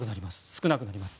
少なくなります。